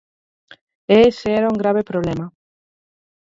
E ese era un grave problema.